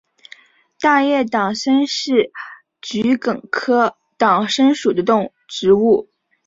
大叶党参是桔梗科党参属的植物。